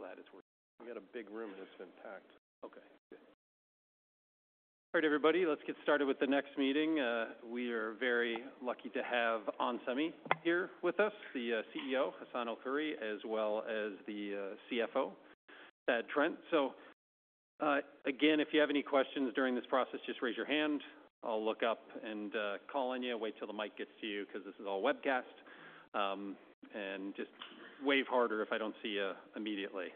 I'm glad it's working. We've got a big room that's been packed. Okay. All right, everybody, let's get started with the next meeting. We are very lucky to have onsemi here with us, the CEO, Hassane El-Khoury, as well as the CFO, Thad Trent. So, again, if you have any questions during this process, just raise your hand. I'll look up and call on you. Wait till the mic gets to you, 'cause this is all webcast. And just wave harder if I don't see you immediately.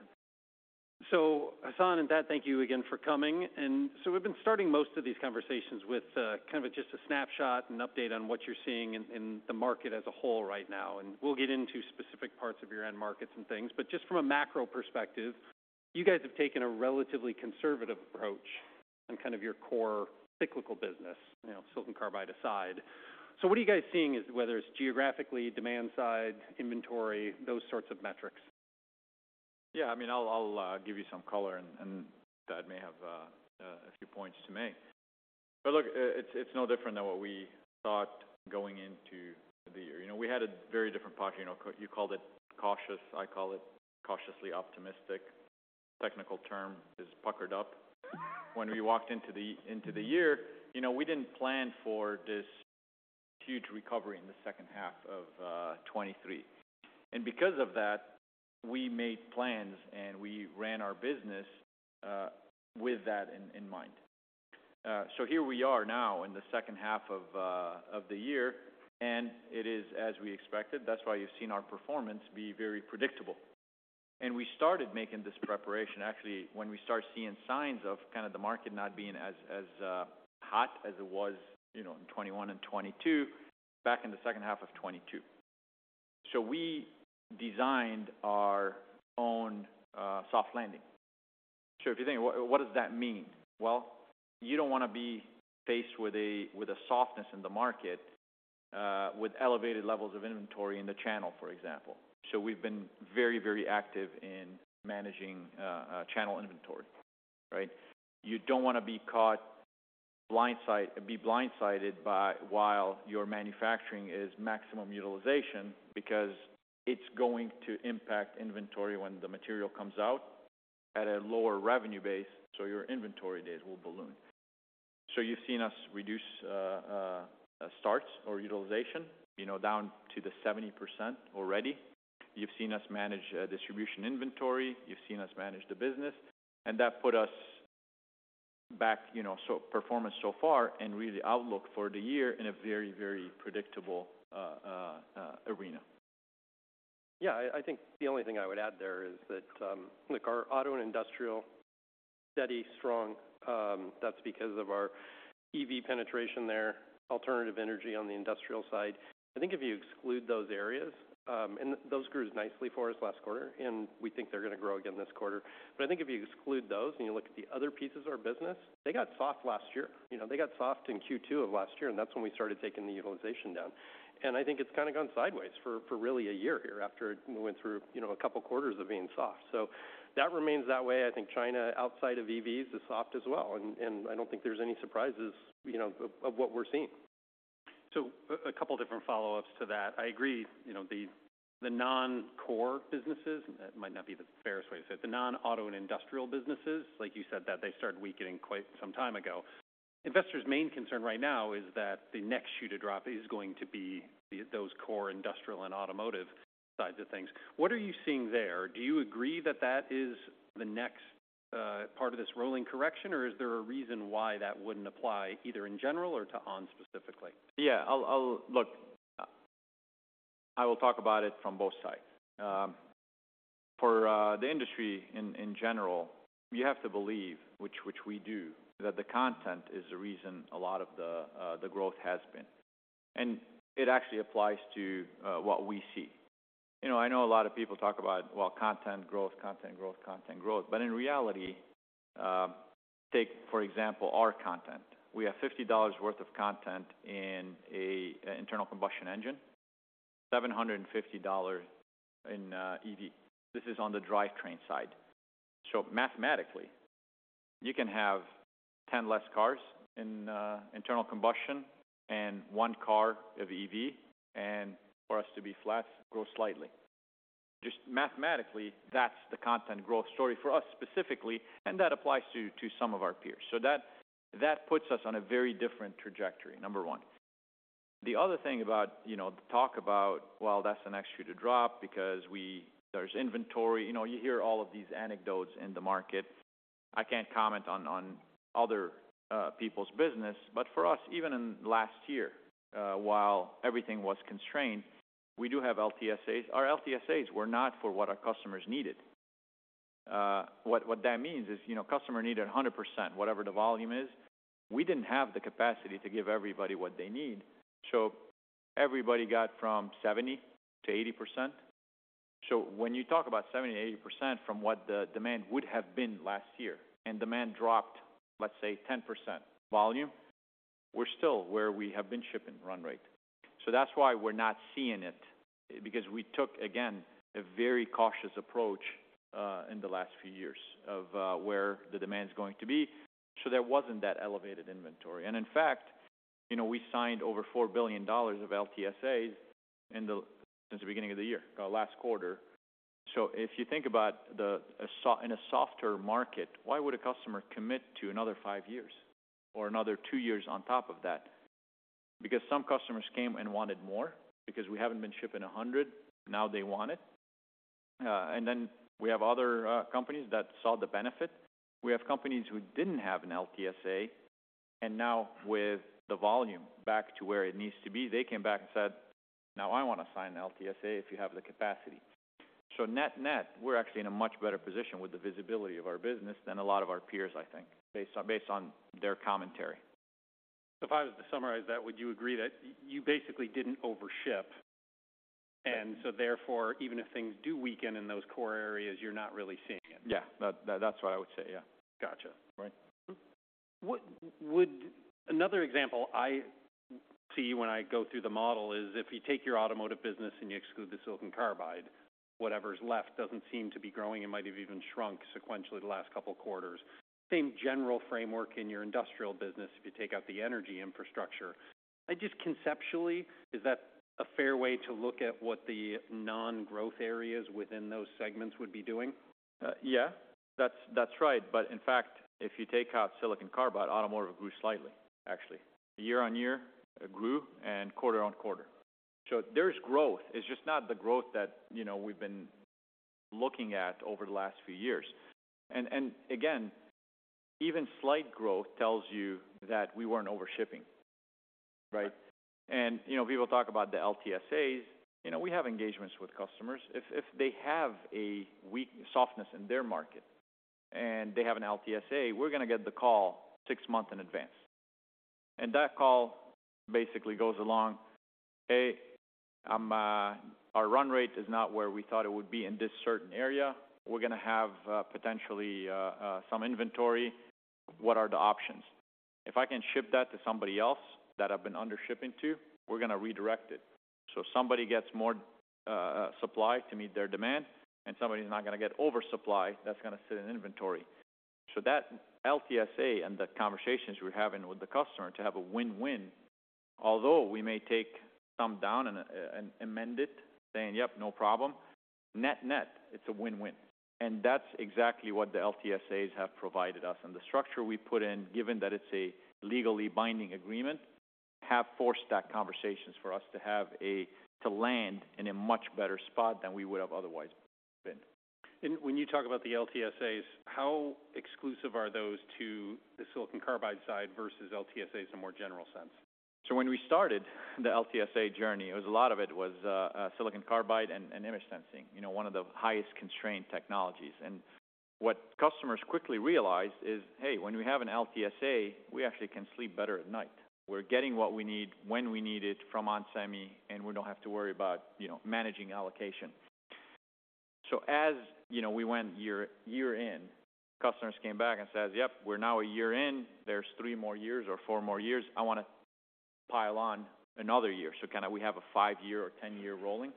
So Hassane and Thad, thank you again for coming, and so we've been starting most of these conversations with kind of just a snapshot and update on what you're seeing in the market as a whole right now, and we'll get into specific parts of your end markets and things. But just from a macro perspective, you guys have taken a relatively conservative approach on kind of your core cyclical business, you know, silicon carbide aside. So what are you guys seeing is, whether it's geographically, demand side, inventory, those sorts of metrics? Yeah, I mean, I'll give you some color, and Thad may have a few points to make. But look, it's no different than what we thought going into the year. You know, we had a very different posture. You know, you called it cautious. I call it cautiously optimistic. Technical term is puckered up. When we walked into the year, you know, we didn't plan for this huge recovery in the second half of 2023, and because of that, we made plans, and we ran our business with that in mind. So here we are now in the second half of the year, and it is as we expected. That's why you've seen our performance be very predictable. We started making this preparation, actually, when we started seeing signs of kind of the market not being as hot as it was, you know, in 2021 and 2022, back in the second half of 2022. So we designed our own soft landing. So if you think, what does that mean? Well, you don't want to be faced with a softness in the market with elevated levels of inventory in the channel, for example. So we've been very, very active in managing channel inventory, right? You don't want to be caught blindsided by, while your manufacturing is maximum utilization because it's going to impact inventory when the material comes out at a lower revenue base, so your inventory days will balloon. So you've seen us reduce starts or utilization, you know, down to the 70% already. You've seen us manage distribution inventory. You've seen us manage the business, and that put us back, you know, so performance so far and really outlook for the year in a very, very predictable arena. Yeah, I think the only thing I would add there is that, like our auto and industrial, steady, strong, that's because of our EV penetration there, alternative energy on the industrial side. I think if you exclude those areas, and those grew nicely for us last quarter, and we think they're going to grow again this quarter. But I think if you exclude those and you look at the other pieces of our business, they got soft last year. You know, they got soft in Q2 of last year, and that's when we started taking the utilization down, and I think it's kind of gone sideways for really a year here after we went through, you know, a couple quarters of being soft. So that remains that way. I think China, outside of EVs, is soft as well, and I don't think there's any surprises, you know, of what we're seeing. So, a couple different follow-ups to that. I agree, you know, the non-core businesses, that might not be the fairest way to say it, the non-auto and industrial businesses, like you said, that they started weakening quite some time ago. Investors' main concern right now is that the next shoe to drop is going to be those core industrial and automotive sides of things. What are you seeing there? Do you agree that that is the next part of this rolling correction, or is there a reason why that wouldn't apply, either in general or to ON specifically? Yeah, look, I will talk about it from both sides. For the industry in general, you have to believe, which we do, that the content is the reason a lot of the growth has been, and it actually applies to what we see. You know, I know a lot of people talk about, well, content growth, content growth, content growth, but in reality, take for example, our content. We have $50 worth of content in a internal combustion engine, $750 in EV. This is on the drivetrain side. So mathematically, you can have 10 less cars in internal combustion and one car of EV, and for us to be flat, grow slightly. Just mathematically, that's the content growth story for us specifically, and that applies to some of our peers. So that puts us on a very different trajectory, number one. The other thing about, you know, the talk about, well, that's the next shoe to drop because there's inventory. You know, you hear all of these anecdotes in the market. I can't comment on other people's business, but for us, even in last year, while everything was constrained, we do have LTSAs. Our LTSAs were not for what our customers needed. What that means is, you know, customer needed 100%, whatever the volume is, we didn't have the capacity to give everybody what they need, so everybody got 70%-80%. So when you talk about 70%-80% from what the demand would have been last year, and demand dropped, let's say, 10% volume, we're still where we have been shipping run rate. So that's why we're not seeing it, because we took, again, a very cautious approach in the last few years of where the demand is going to be. So there wasn't that elevated inventory, and in fact—you know, we signed over $4 billion of LTSAs since the beginning of the year last quarter. So if you think about in a softer market, why would a customer commit to another five years or another two years on top of that? Because some customers came and wanted more because we haven't been shipping 100, now they want it. And then we have other companies that saw the benefit. We have companies who didn't have an LTSA, and now with the volume back to where it needs to be, they came back and said, "Now I want to sign an LTSA if you have the capacity." So net-net, we're actually in a much better position with the visibility of our business than a lot of our peers, I think, based on, based on their commentary. So if I was to summarize that, would you agree that you basically didn't overship, and so therefore, even if things do weaken in those core areas, you're not really seeing it? Yeah. That, that's what I would say, yeah. Gotcha. Right. Another example I see when I go through the model is, if you take your automotive business and you exclude the silicon carbide, whatever's left doesn't seem to be growing. It might have even shrunk sequentially the last couple of quarters. Same general framework in your industrial business, if you take out the energy infrastructure. Just conceptually, is that a fair way to look at what the non-growth areas within those segments would be doing? Yeah, that's right. But in fact, if you take out silicon carbide, automotive grew slightly, actually. Year-on-year, it grew and quarter-on-quarter. So there's growth. It's just not the growth that, you know, we've been looking at over the last few years. And again, even slight growth tells you that we weren't overshipping, right? Right. And, you know, people talk about the LTSAs. You know, we have engagements with customers. If they have a weak softness in their market and they have an LTSA, we're gonna get the call six months in advance. And that call basically goes along: "Hey, our run rate is not where we thought it would be in this certain area. We're gonna have potentially some inventory. What are the options?" If I can ship that to somebody else that I've been undershipping to, we're gonna redirect it. So somebody gets more supply to meet their demand, and somebody's not gonna get oversupply that's gonna sit in inventory. So that LTSA and the conversations we're having with the customer to have a win-win, although we may take some down and amend it, saying, "Yep, no problem," net-net, it's a win-win. That's exactly what the LTSAs have provided us. The structure we put in, given that it's a legally binding agreement, have forced that conversations for us to have a, to land in a much better spot than we would have otherwise been. When you talk about the LTSAs, how exclusive are those to the silicon carbide side versus LTSA in a more general sense? So when we started the LTSA journey, it was a lot of it was silicon carbide and image sensing, you know, one of the highest constrained technologies. And what customers quickly realized is, "Hey, when we have an LTSA, we actually can sleep better at night. We're getting what we need, when we need it from onsemi, and we don't have to worry about, you know, managing allocation." So as, you know, we went year, year in, customers came back and says, "Yep, we're now a year in. There's three more years or four more years. I wanna pile on another year." So can we have a five-year or 10-year rolling?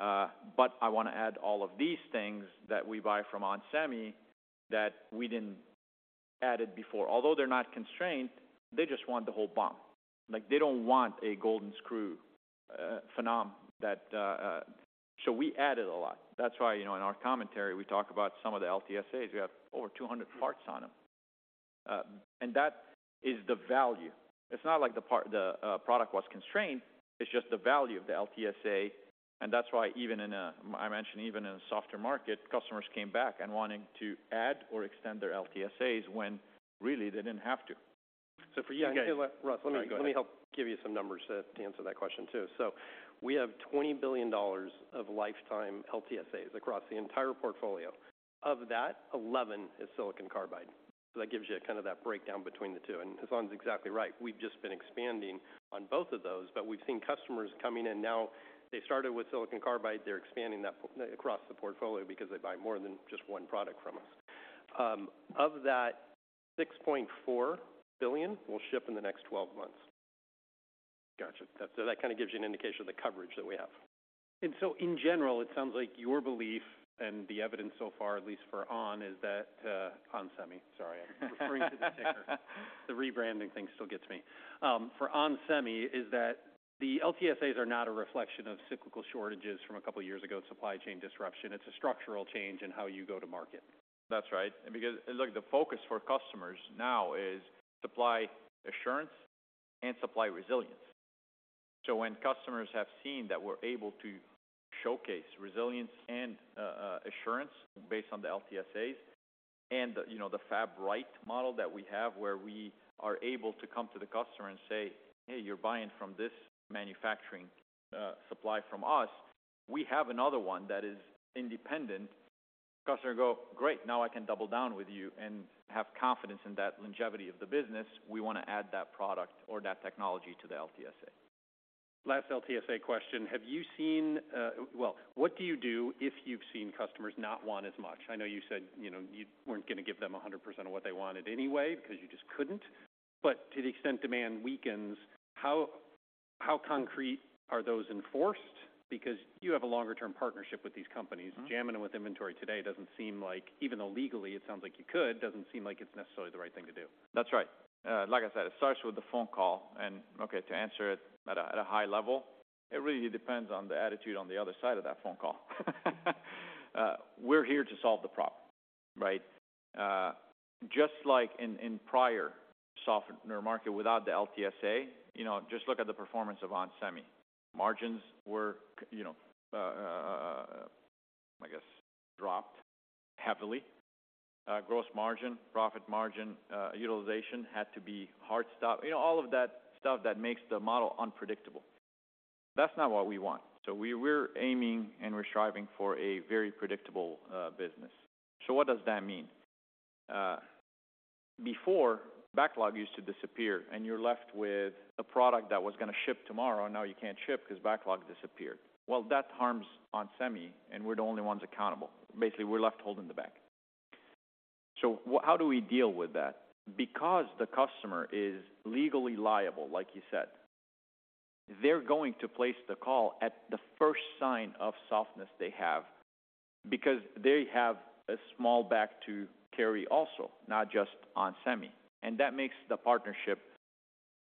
"But I wanna add all of these things that we buy from onsemi that we didn't add it before." Although they're not constrained, they just want the whole BOM. Like, they don't want a golden screw, phenom tt. So we added a lot. That's why, you know, in our commentary, we talk about some of the LTSAs. We have over 200 parts on them. And that is the value. It's not like the part—the product was constrained, it's just the value of the LTSA, and that's why even in a, I mentioned, even in a softer market, customers came back and wanting to add or extend their LTSAs when really they didn't have to. So for you guys. Hassane. Yeah, go ahead. Let me help give you some numbers to answer that question, too. So we have $20 billion of lifetime LTSAs across the entire portfolio. Of that, $11 billion is silicon carbide. So that gives you kind of that breakdown between the two. And Hassane's exactly right. We've just been expanding on both of those, but we've seen customers coming in now. They started with silicon carbide, they're expanding that across the portfolio because they buy more than just one product from us. Of that, $6.4 billion will ship in the next 12 months. Gotcha. So that kind of gives you an indication of the coverage that we have. And so in general, it sounds like your belief and the evidence so far, at least for On, is that, onsemi, sorry, I'm referring to the ticker. The rebranding thing still gets me. For onsemi, is that the LTSAs are not a reflection of cyclical shortages from a couple of years ago, supply chain disruption. It's a structural change in how you go to market. That's right. And because, look, the focus for customers now is supply assurance and supply resilience. So when customers have seen that we're able to showcase resilience and assurance based on the LTSAs and, you know, the Fab-Right model that we have, where we are able to come to the customer and say, "Hey, you're buying from this manufacturing supply from us. We have another one that is independent." Customer go, "Great, now I can double down with you and have confidence in that longevity of the business. We wanna add that product or that technology to the LTSA. Last LTSA question: Have you seen, well, what do you do if you've seen customers not want as much? I know you said, you know, you weren't gonna give them a hundred percent of what they wanted anyway, because you just couldn't. But to the extent demand weakens, how concrete are those enforced? Because you have a longer-term partnership with these companies. Mm-hmm. Jamming them with inventory today doesn't seem like, even though legally it sounds like you could, doesn't seem like it's necessarily the right thing to do. That's right. Like I said, it starts with the phone call and, okay, to answer it at a high level, it really depends on the attitude on the other side of that phone call. We're here to solve the problem, right? Just like in prior softer market without the LTSA, you know, just look at the performance of onsemi. Margins were, you know, I guess, dropped heavily. Gross margin, profit margin, utilization had to be hard stop. You know, all of that stuff that makes the model unpredictable. That's not what we want. So we're aiming and we're striving for a very predictable business. So what does that mean? Before, backlog used to disappear, and you're left with the product that was gonna ship tomorrow, and now you can't ship 'cause backlog disappeared. Well, that harms onsemi, and we're the only ones accountable. Basically, we're left holding the bag. So how do we deal with that? Because the customer is legally liable, like you said, they're going to place the call at the first sign of softness they have, because they have a small bag to carry also, not just onsemi, and that makes the partnership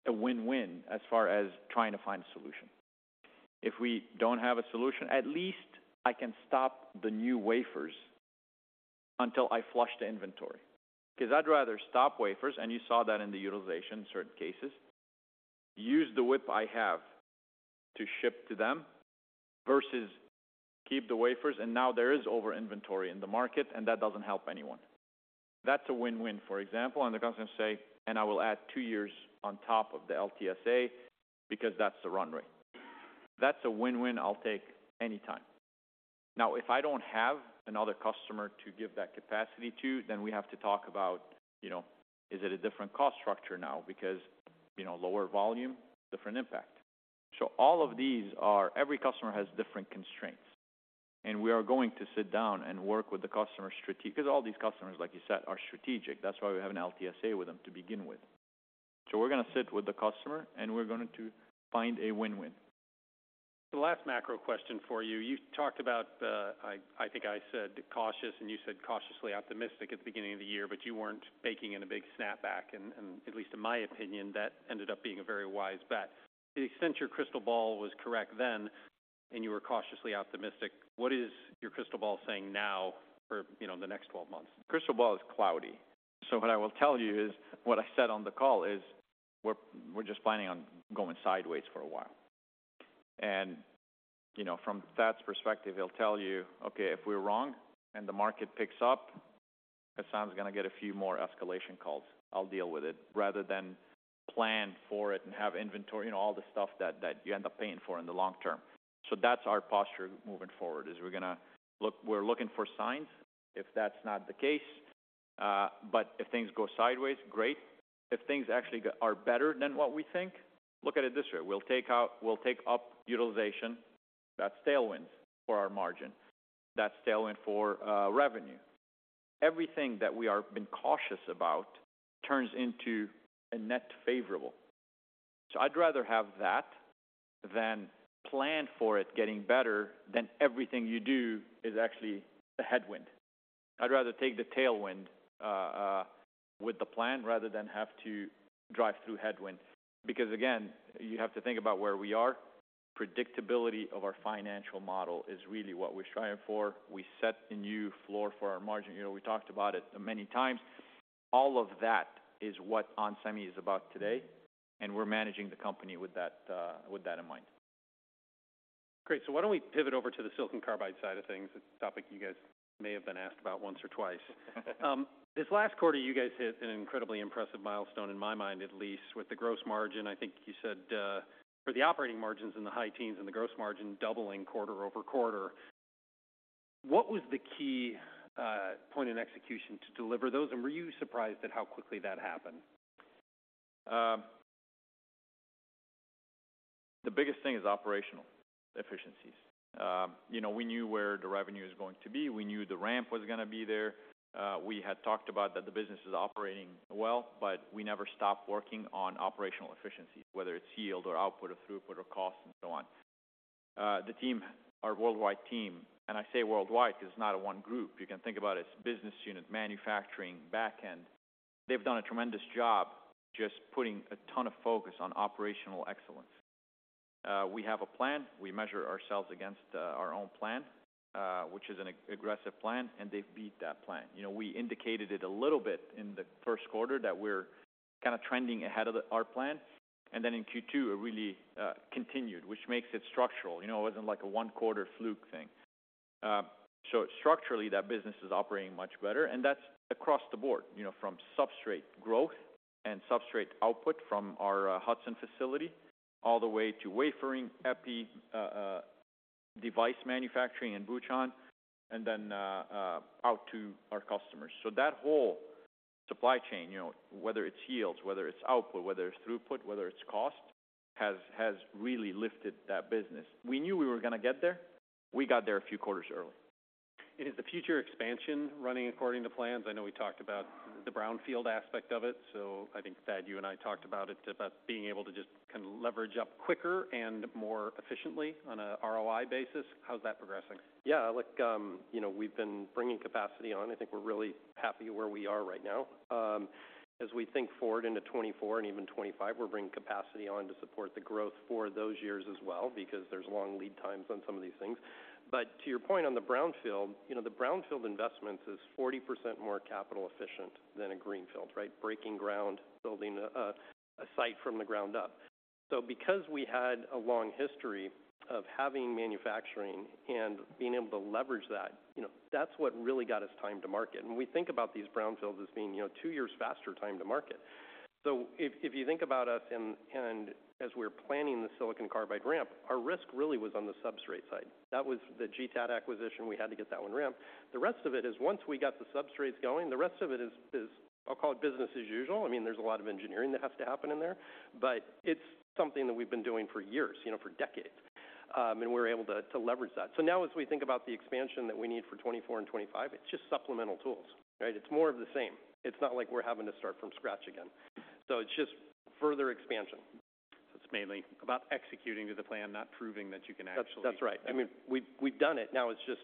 a win-win as far as trying to find a solution. If we don't have a solution, at least I can stop the new wafers until I flush the inventory, 'cause I'd rather stop wafers, and you saw that in the utilization in certain cases, use the WIP I have to ship to them, versus keep the wafers and now there is over inventory in the market, and that doesn't help anyone. That's a win-win, for example, and the customer will say, "And I will add two years on top of the LTSA, because that's the run rate." That's a win-win I'll take anytime. Now, if I don't have another customer to give that capacity to, then we have to talk about, you know, is it a different cost structure now? Because, you know, lower volume, different impact. So all of these are, every customer has different constraints, and we are going to sit down and work with the customer strategic, 'cause all these customers, like you said, are strategic. That's why we have an LTSA with them to begin with. So we're gonna sit with the customer, and we're going to find a win-win. The last macro question for you. You talked about, I think I said cautious, and you said cautiously optimistic at the beginning of the year, but you weren't baking in a big snapback. And at least in my opinion, that ended up being a very wise bet. To the extent your crystal ball was correct then, and you were cautiously optimistic, what is your crystal ball saying now for, you know, the next 12 months? Crystal ball is cloudy. So what I will tell you is, what I said on the call is, we're, we're just planning on going sideways for a while. And, you know, from that perspective, I'll tell you, okay, if we're wrong and the market picks up, Hassane's gonna get a few more escalation calls. I'll deal with it, rather than plan for it and have inventory and all the stuff that, that you end up paying for in the long term. So that's our posture moving forward, is we're gonna look. We're looking for signs. If that's not the case, but if things go sideways, great. If things actually are better than what we think, look at it this way: We'll take up utilization. That's tailwind for our margin. That's tailwind for revenue. Everything that we are being cautious about turns into a net favorable. So I'd rather have that than plan for it getting better, then everything you do is actually a headwind. I'd rather take the tailwind with the plan rather than have to drive through headwinds. Because again, you have to think about where we are. Predictability of our financial model is really what we're striving for. We set a new floor for our margin. You know, we talked about it many times. All of that is what onsemi is about today, and we're managing the company with that in mind. Great. So why don't we pivot over to the silicon carbide side of things? It's a topic you guys may have been asked about once or twice. This last quarter, you guys hit an incredibly impressive milestone, in my mind at least, with the gross margin. I think you said, for the operating margins in the high teens and the gross margin doubling quarter-over-quarter. What was the key point in execution to deliver those, and were you surprised at how quickly that happened? The biggest thing is operational efficiencies. You know, we knew where the revenue was going to be. We knew the ramp was gonna be there. We had talked about that the business is operating well, but we never stopped working on operational efficiency, whether it's yield or output or throughput or cost and so on. The team, our worldwide team, and I say worldwide, is not a one group. You can think about it as business unit, manufacturing, back-end. They've done a tremendous job just putting a ton of focus on operational excellence. We have a plan. We measure ourselves against, our own plan, which is an aggressive plan, and they've beat that plan. You know, we indicated it a little bit in the first quarter that we're kind of trending ahead of our plan, and then in Q2, it really continued, which makes it structural. You know, it wasn't like a one-quarter fluke thing. So structurally, that business is operating much better, and that's across the board, you know, from substrate growth and substrate output from our Hudson facility, all the way to wafering, EPI, device manufacturing in Bucheon, and then out to our customers. So that whole supply chain, you know, whether it's yields, whether it's output, whether it's throughput, whether it's cost, has really lifted that business. We knew we were gonna get there. We got there a few quarters early. Is the future expansion running according to plans? I know we talked about the brownfield aspect of it, so I think, Thad, you and I talked about it, about being able to just kind of leverage up quicker and more efficiently on a ROI basis. How's that progressing? Yeah, look, you know, we've been bringing capacity on. I think we're really happy where we are right now. As we think forward into 2024 and even 2025, we're bringing capacity on to support the growth for those years as well, because there's long lead times on some of these things. But to your point on the brownfield, you know, the brownfield investments is 40% more capital efficient than a greenfield, right? Breaking ground, building a site from the ground up. So because we had a long history of having manufacturing and being able to leverage that, you know, that's what really got us time to market. And we think about these brownfields as being, you know, two years faster time to market. So if you think about us and as we're planning the silicon carbide ramp, our risk really was on the substrate side. That was the GTAT acquisition. We had to get that one ramped. The rest of it is once we got the substrates going, the rest of it is. I'll call it business as usual. I mean, there's a lot of engineering that has to happen in there, but it's something that we've been doing for years, you know, for decades, and we're able to leverage that. So now as we think about the expansion that we need for 2024 and 2025, it's just supplemental tools, right? It's more of the same. It's not like we're having to start from scratch again. So it's just further expansion. It's mainly about executing to the plan, not proving that you can actually- That's right. I mean, we've done it. Now it's just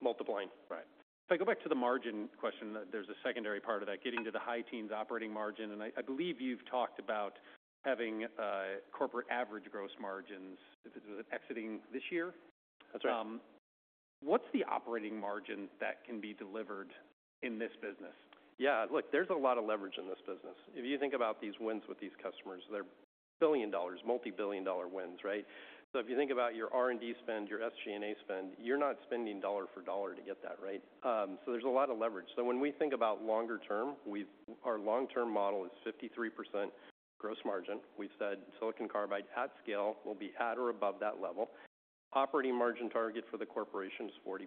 multiplying. Right. If I go back to the margin question, there's a secondary part of that, getting to the high teens operating margin, and I believe you've talked about having a corporate average gross margins, is it exiting this year? That's right. What's the operating margin that can be delivered in this business? Yeah, look, there's a lot of leverage in this business. If you think about these wins with these customers, they're billion-dollar, multi-billion-dollar wins, right? So if you think about your R&D spend, your SG&A spend, you're not spending dollar for dollar to get that, right? So there's a lot of leverage. So when we think about longer term, we've, our long-term model is 53% gross margin. We've said silicon carbide at scale will be at or above that level. Operating margin target for the corporation is 40%.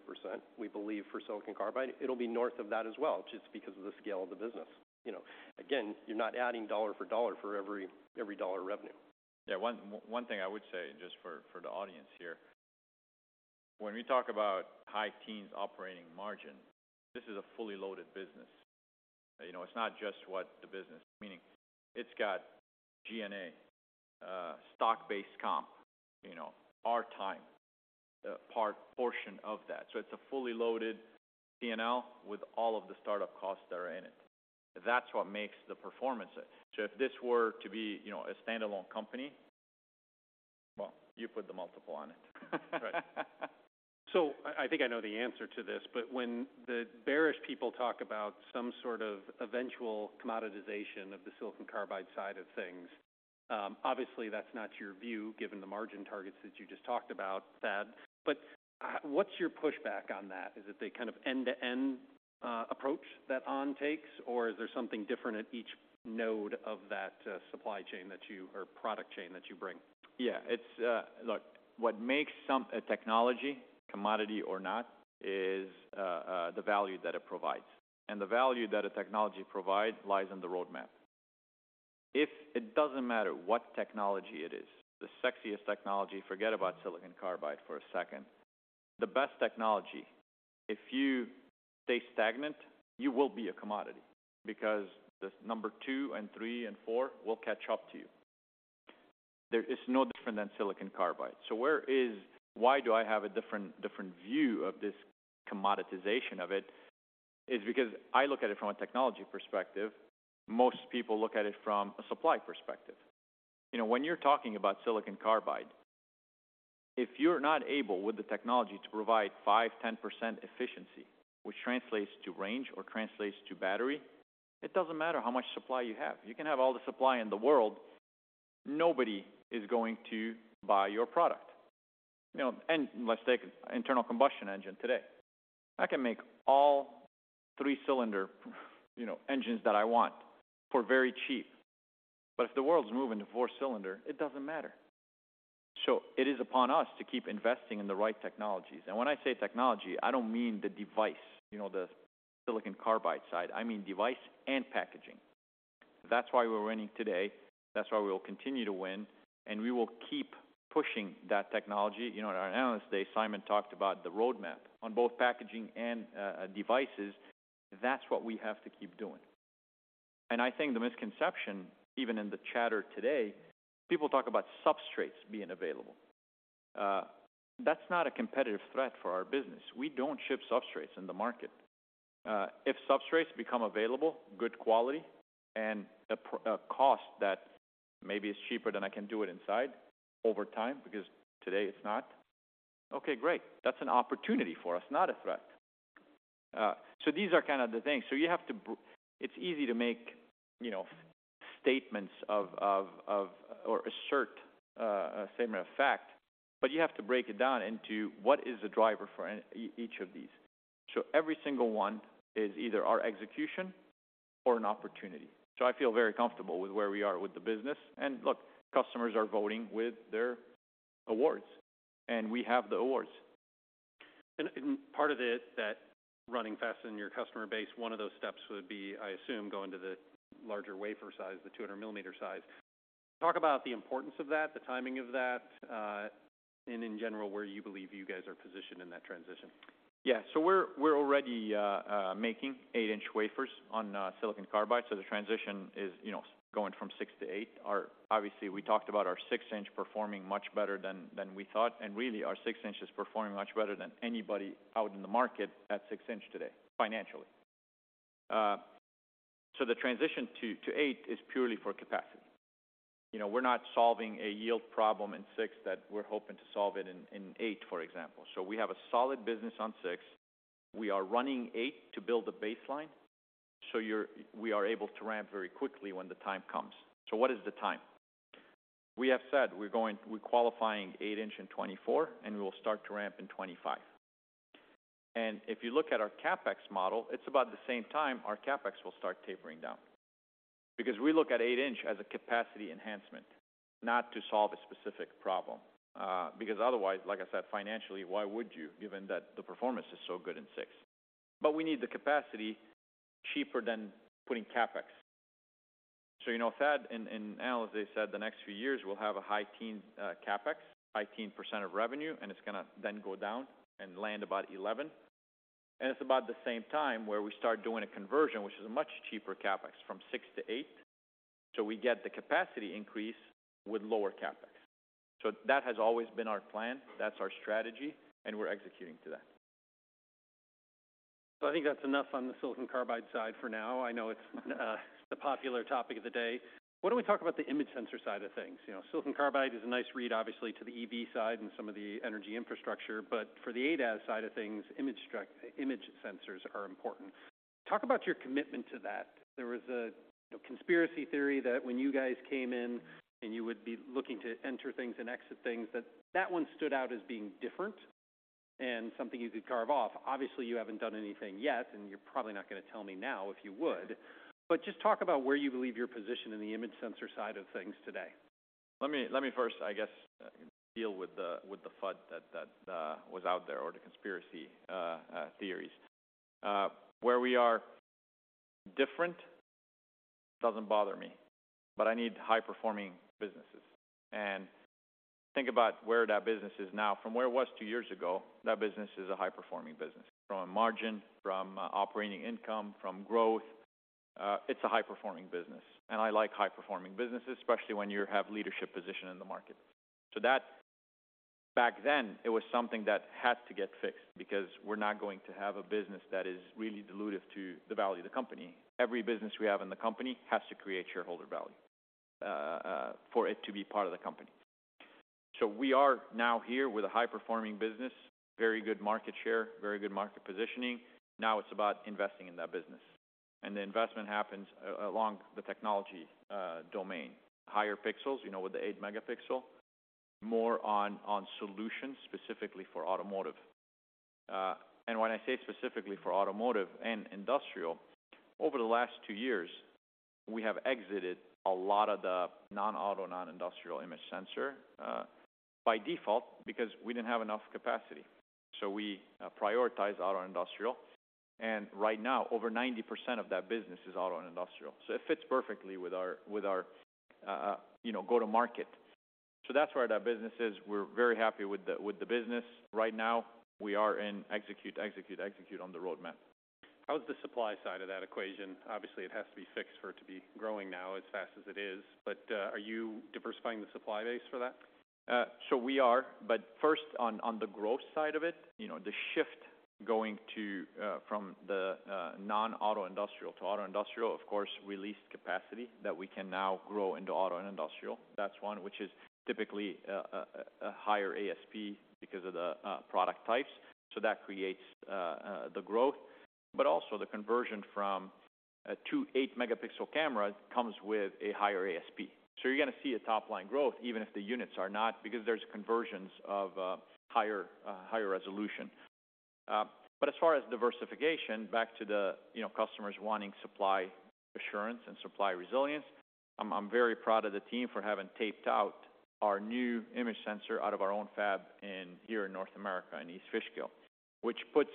We believe for silicon carbide, it'll be north of that as well, just because of the scale of the business. You know, again, you're not adding dollar for dollar for every dollar revenue. Yeah, one thing I would say just for the audience here, when we talk about high teens operating margin, this is a fully loaded business. You know, it's not just what the business, meaning it's got G&A, stock-based comp, you know, our time, portion of that. So it's a fully loaded P&L with all of the start-up costs that are in it. That's what makes the performance. So if this were to be, you know, a standalone company, well, you put the multiple on it. Right. So I think I know the answer to this, but when the bearish people talk about some sort of eventual commoditization of the silicon carbide side of things, obviously, that's not your view, given the margin targets that you just talked about, Thad, but, what's your pushback on that? Is it the kind of end-to-end approach that On takes, or is there something different at each node of that supply chain that you or product chain that you bring? Yeah, it's. Look, what makes some a technology commodity or not is the value that it provides, and the value that a technology provides lies in the roadmap. It doesn't matter what technology it is, the sexiest technology, forget about silicon carbide for a second. The best technology, if you stay stagnant, you will be a commodity because the number two and three and four will catch up to you. There is no different than silicon carbide. So why do I have a different, different view of this commoditization of it? Is because I look at it from a technology perspective. Most people look at it from a supply perspective. You know, when you're talking about silicon carbide, if you're not able, with the technology, to provide 5%-10% efficiency, which translates to range or translates to battery, it doesn't matter how much supply you have. You can have all the supply in the world, nobody is going to buy your product. You know, and let's take internal combustion engine today. I can make all three-cylinder, you know, engines that I want for very cheap, but if the world's moving to four-cylinder, it doesn't matter. So it is upon us to keep investing in the right technologies. And when I say technology, I don't mean the device, you know, the silicon carbide side. I mean, device and packaging. That's why we're winning today. That's why we will continue to win, and we will keep pushing that technology. You know, in our Analyst Day, Simon talked about the roadmap on both packaging and devices. That's what we have to keep doing. I think the misconception, even in the chatter today, people talk about substrates being available. That's not a competitive threat for our business. We don't ship substrates in the market. If substrates become available, good quality and a cost that maybe is cheaper than I can do it inside over time, because today it's not, okay, great. That's an opportunity for us, not a threat. So these are kind of the things. So you have to. It's easy to make, you know, statements of or assert a statement of fact, but you have to break it down into what is the driver for each of these. Every single one is either our execution or an opportunity. So I feel very comfortable with where we are with the business, and look, customers are voting with their awards, and we have the awards. And part of it, that running fast in your customer base, one of those steps would be, I assume, going to the larger wafer size, the 200-mm size. Talk about the importance of that, the timing of that, and in general, where you believe you guys are positioned in that transition. Yeah. So we're already making eight-inch wafers on silicon carbide. So the transition is, you know, going from six to eight. Obviously, we talked about our six-inch performing much better than we thought, and really, our six-inch is performing much better than anybody out in the market at six-inch today, financially. So the transition to eight is purely for capacity. You know, we're not solving a yield problem in six that we're hoping to solve it in eight, for example. So we have a solid business on six. We are running eight to build a baseline, so we are able to ramp very quickly when the time comes. So what is the time? We have said we're qualifying eight-inch in 2024, and we will start to ramp in 2025. If you look at our CapEx model, it's about the same time our CapEx will start tapering down. Because we look at eight-inch as a capacity enhancement, not to solve a specific problem, because otherwise, like I said, financially, why would you, given that the performance is so good in six? But we need the capacity cheaper than putting CapEx. So, you know, Thad and, and Al, as they said, the next few years, we'll have a high-teen CapEx, high-teen% of revenue, and it's gonna then go down and land about 11%. And it's about the same time where we start doing a conversion, which is a much cheaper CapEx from six to eight. So we get the capacity increase with lower CapEx. So that has always been our plan, that's our strategy, and we're executing to that. So I think that's enough on the silicon carbide side for now. I know it's the popular topic of the day. Why don't we talk about the image sensor side of things? You know, silicon carbide is a nice read, obviously, to the EV side and some of the energy infrastructure, but for the ADAS side of things, image sensors are important. Talk about your commitment to that. There was a conspiracy theory that when you guys came in and you would be looking to enter things and exit things, that that one stood out as being different and something you could carve off. Obviously, you haven't done anything yet, and you're probably not gonna tell me now if you would. But just talk about where you believe your position in the image sensor side of things today. Let me first deal with the FUD that was out there, or the conspiracy theories. Where we are different doesn't bother me, but I need high-performing businesses. Think about where that business is now. From where it was two years ago, that business is a high-performing business. From a margin, from operating income, from growth, it's a high-performing business, and I like high-performing businesses, especially when you have leadership position in the market. So that, back then, it was something that had to get fixed because we're not going to have a business that is really dilutive to the value of the company. Every business we have in the company has to create shareholder value for it to be part of the company. So we are now here with a high-performing business, very good market share, very good market positioning. Now it's about investing in that business, and the investment happens along the technology domain. Higher pixels, you know, with the eight megapixel, more on solutions specifically for automotive. And when I say specifically for automotive and industrial, over the last two years, we have exited a lot of the non-auto, non-industrial image sensor by default, because we didn't have enough capacity. So we prioritize auto industrial, and right now, over 90% of that business is auto and industrial. So it fits perfectly with our, with our, you know, go-to-market. So that's where that business is. We're very happy with the business. Right now, we are in execute, execute, execute on the roadmap. How is the supply side of that equation? Obviously, it has to be fixed for it to be growing now as fast as it is, but, are you diversifying the supply base for that? So we are, but first on the growth side of it, you know, the shift going to from the non-auto industrial to auto industrial, of course, released capacity that we can now grow into auto and industrial. That's one which is typically a higher ASP because of the product types. So that creates the growth, but also the conversion from a 28 megapixel camera comes with a higher ASP. So you're gonna see a top-line growth, even if the units are not, because there's conversions of higher resolution. But as far as diversification, back to the, you know, customers wanting supply assurance and supply resilience, I'm very proud of the team for having taped out our new image sensor out of our own fab in here in North America, in East Fishkill, which puts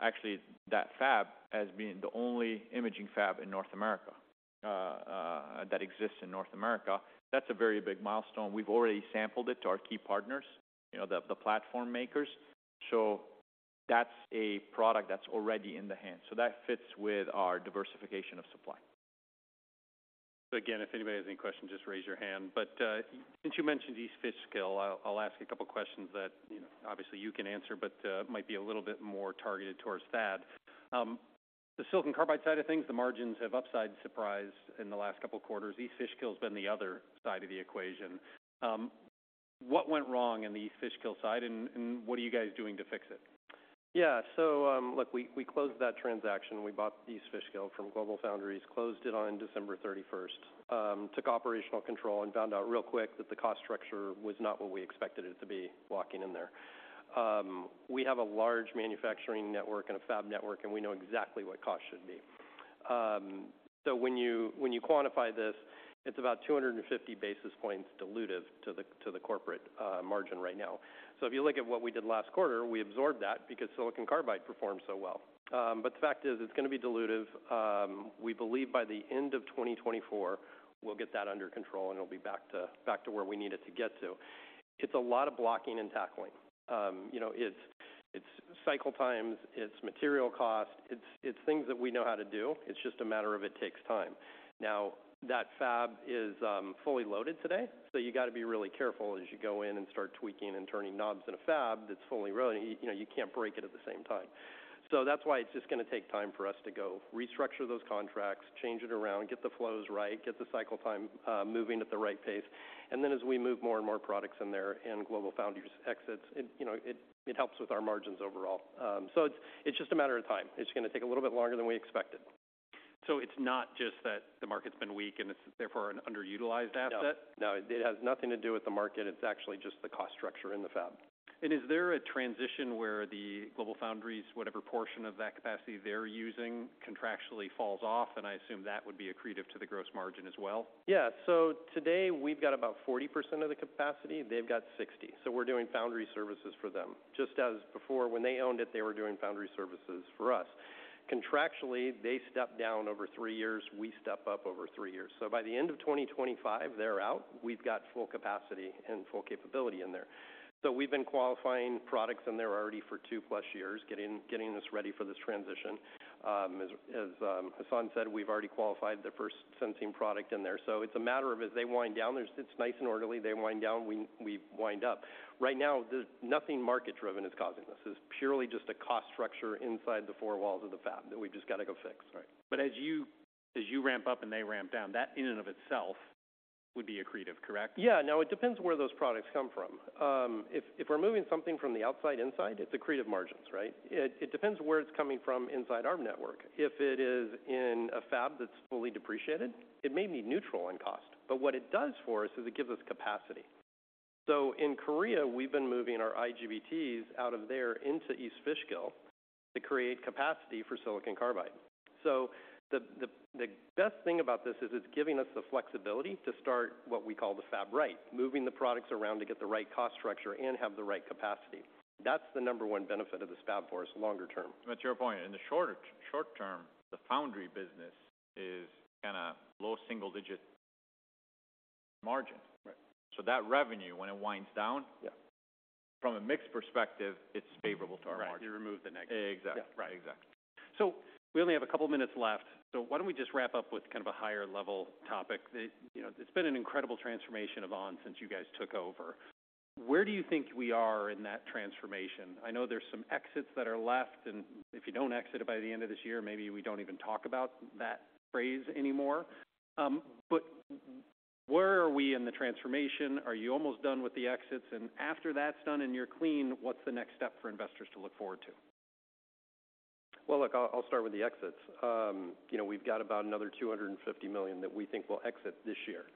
actually that fab as being the only imaging fab in North America that exists in North America. That's a very big milestone. We've already sampled it to our key partners, you know, the, the platform makers. So that's a product that's already in the hand, so that fits with our diversification of supply. So again, if anybody has any questions, just raise your hand. But since you mentioned East Fishkill, I'll ask a couple questions that, you know, obviously you can answer, but might be a little bit more targeted towards Thad. The silicon carbide side of things, the margins have upside surprise in the last couple of quarters. East Fishkill has been the other side of the equation. What went wrong in the East Fishkill side, and what are you guys doing to fix it? Yeah. So, look, we, we closed that transaction. We bought East Fishkill from GlobalFoundries, closed it on December thirty-first. Took operational control and found out real quick that the cost structure was not what we expected it to be walking in there. We have a large manufacturing network and a fab network, and we know exactly what costs should be. So when you, when you quantify this, it's about 250 basis points dilutive to the, to the corporate margin right now. So if you look at what we did last quarter, we absorbed that because silicon carbide performed so well. But the fact is, it's gonna be dilutive. We believe by the end of 2024, we'll get that under control, and it'll be back to, back to where we need it to get to. It's a lot of blocking and tackling. You know, it's, it's cycle times, it's material cost, it's, it's things that we know how to do. It's just a matter of it takes time. Now, that fab is fully loaded today, so you got to be really careful as you go in and start tweaking and turning knobs in a fab that's fully loaded. You know, you can't break it at the same time. So that's why it's just going to take time for us to go restructure those contracts, change it around, get the flows right, get the cycle time moving at the right pace, and then as we move more and more products in there and GlobalFoundries exits, it, you know, it, it helps with our margins overall. So it's, it's just a matter of time. It's going to take a little bit longer than we expected. So it's not just that the market's been weak and it's therefore an underutilized asset? No, no, it has nothing to do with the market. It's actually just the cost structure in the fab. Is there a transition where the GlobalFoundries, whatever portion of that capacity they're using, contractually falls off? I assume that would be accretive to the gross margin as well. Yeah. So today, we've got about 40% of the capacity, they've got 60. So we're doing foundry services for them. Just as before, when they owned it, they were doing foundry services for us. Contractually, they step down over three years, we step up over three years. So by the end of 2025, they're out. We've got full capacity and full capability in there. So we've been qualifying products in there already for two plus years, getting this ready for this transition. As Hassane said, we've already qualified the first sensing product in there. So it's a matter of as they wind down, there's—it's nice and orderly, they wind down, we wind up. Right now, there's nothing market-driven causing this. This is purely just a cost structure inside the four walls of the fab that we've just got to go fix. Right. But as you, as you ramp up and they ramp down, that in and of itself would be accretive, correct? Yeah. Now, it depends where those products come from. If we're moving something from the outside inside, it's accretive margins, right? It depends where it's coming from inside our network. If it is in a fab that's fully depreciated, it may be neutral in cost, but what it does for us is it gives us capacity. So in Korea, we've been moving our IGBTs out of there into East Fishkill to create capacity for silicon carbide. So the best thing about this is it's giving us the flexibility to start what we call the fab, right? Moving the products around to get the right cost structure and have the right capacity. That's the number one benefit of this fab for us longer term. But to your point, in the short, short term, the foundry business is kind of low single-digit margin. Right. So that revenue, when it winds down. Yeah From a mix perspective, it's favorable to our margin. Right, you remove the negative. Exactly. Right. Exactly. So we only have a couple of minutes left, so why don't we just wrap up with kind of a higher level topic? That, you know, it's been an incredible transformation of ON since you guys took over. Where do you think we are in that transformation? I know there's some exits that are left, and if you don't exit it by the end of this year, maybe we don't even talk about that phrase anymore. But where are we in the transformation? Are you almost done with the exits, and after that's done and you're clean, what's the next step for investors to look forward to? Well, look, I'll, I'll start with the exits. You know, we've got about another $250 million that we think will exit this year.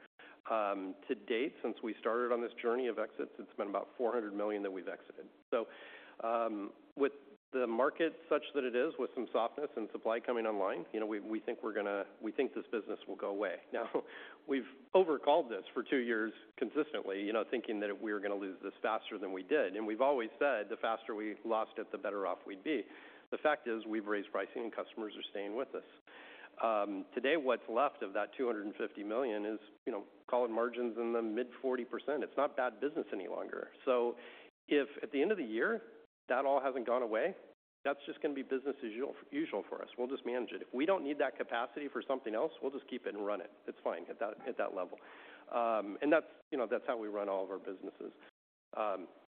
To date, since we started on this journey of exits, it's been about $400 million that we've exited. So, with the market such that it is, with some softness and supply coming online, you know, we, we think we're gonna. We think this business will go away. Now, we've overcalled this for two years consistently, you know, thinking that we were gonna lose this faster than we did, and we've always said the faster we lost it, the better off we'd be. The fact is, we've raised pricing, and customers are staying with us. Today, what's left of that $250 million is, you know, calling margins in the mid-40%. It's not bad business any longer. So if at the end of the year that all hasn't gone away, that's just gonna be business as usual, usual for us. We'll just manage it. If we don't need that capacity for something else, we'll just keep it and run it. It's fine at that, at that level. That's, you know, that's how we run all of our businesses.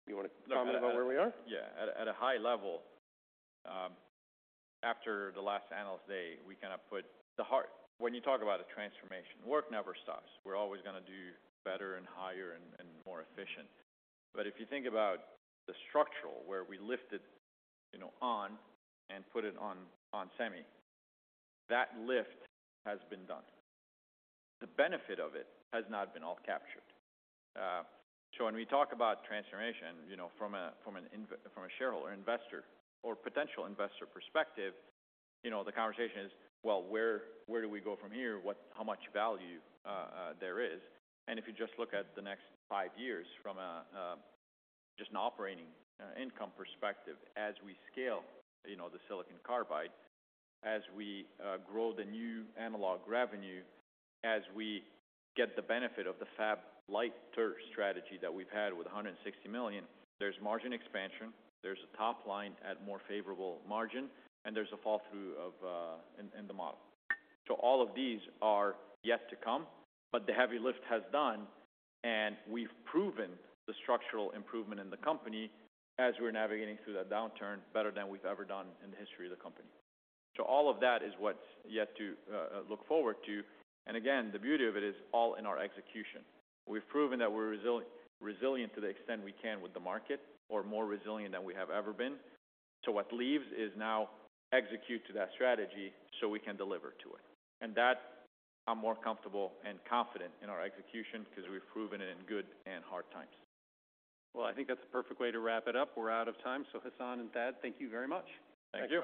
You want to comment about where we are? Yeah. At a high level, after the last Analyst Day, when you talk about a transformation, work never stops. We're always gonna do better and higher and more efficient. But if you think about the structural, where we lifted, you know, ON and put it on onsemi, that lift has been done. The benefit of it has not been all captured. So when we talk about transformation, you know, from a shareholder, investor, or potential investor perspective, you know, the conversation is: Well, where do we go from here? What—How much value there is? And if you just look at the next five years from a just an operating income perspective, as we scale, you know, the silicon carbide, as we grow the new analog revenue, as we get the benefit of the Fab-Liter strategy that we've had with $160 million, there's margin expansion, there's a top line at more favorable margin, and there's a fall-through of in the model. So all of these are yet to come, but the heavy lift has done, and we've proven the structural improvement in the company as we're navigating through that downturn better than we've ever done in the history of the company. So all of that is what's yet to look forward to. And again, the beauty of it is all in our execution. We've proven that we're resilient, resilient to the extent we can with the market or more resilient than we have ever been. So what leaves is now execute to that strategy so we can deliver to it. And that, I'm more comfortable and confident in our execution because we've proven it in good and hard times. Well, I think that's a perfect way to wrap it up. We're out of time. So Hassane and Thad, thank you very much. Thank you.